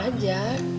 ya sama aja